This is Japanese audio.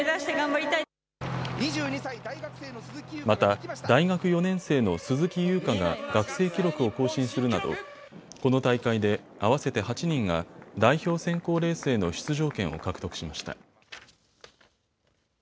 また大学４年生の鈴木優花が学生記録を更新するなどこの大会で合わせて８人が代表選考レースへの出場権を獲得しました。